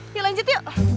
yuk lanjut yuk